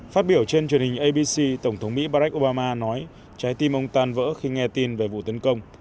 phát biểu trên truyền hình abc tổng thống mỹ barack obama nói trái tim ông tan vỡ khi nghe tin về vụ tấn công